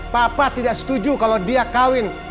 papa tidak setuju kalau dia kawin